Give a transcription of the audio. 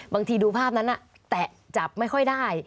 ดูภาพนั้นแตะจับไม่ค่อยได้